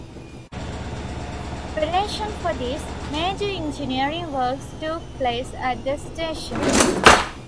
In preparation for this, major engineering works took place at the station.